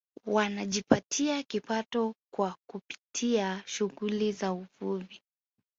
Wanajipatia kipato kwa kupitia shughuli za uvuvi